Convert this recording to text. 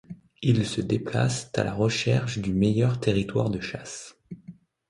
Ils se déplacent à la recherche du meilleur territoire de chasse.